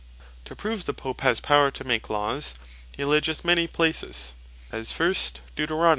To prove the Pope has Power to make Laws, he alledgeth many places; as first, Deut.